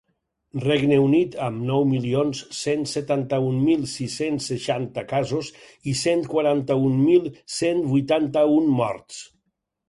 Regne Unit, amb nou milions cent setanta-un mil sis-cents seixanta casos i cent quaranta-un mil cent vuitanta-un morts.